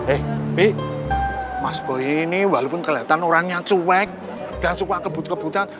eh bi mas boy ini walaupun kelihatan orangnya cuek dan suka kebut kebutan